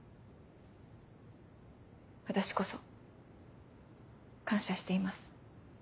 私こそ感謝しています。